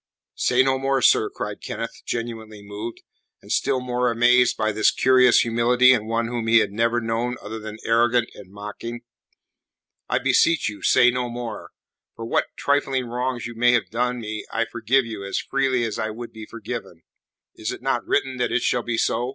"Say no more, sir," cried Kenneth, genuinely moved, and still more amazed by this curious humility in one whom he had never known other than arrogant and mocking. "I beseech you, say no more. For what trifling wrongs you may have done me I forgive you as freely as I would be forgiven. Is it not written that it shall be so?"